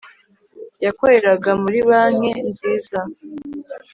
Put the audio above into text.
yakoreraga muri banke nziza